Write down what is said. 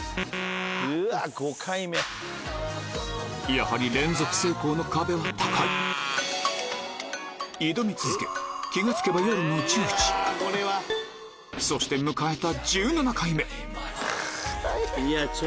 やはり連続成功の壁は高い挑み続けそして迎えた